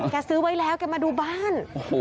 ซื้อไว้แล้วแกมาดูบ้าน